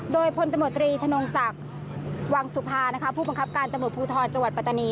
โดยพลตำรวจตรีธนงศักดิ์วังสุภาผู้บังคับการตำรวจภูทรจังหวัดปัตตานี